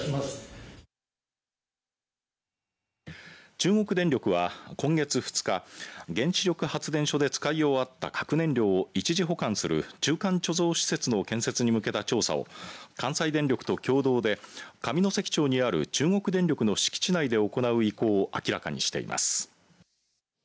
中国電力は今月２日原子力発電所で使い終わった核燃料を一時保管する中間貯蔵施設の建設に向けた調査を関西電力と共同で上関町にある中国電力の敷地内で行う意向を明らかにしています。